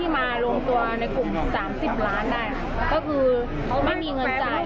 พอที่มาลงตัวในกรุ่มสามสิบล้านได้คือเขาไม่มีเงินจ่าย